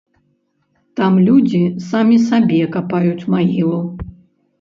Там людзі самі сабе капаюць магілу.